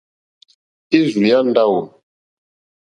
Érzù yá ndáwò.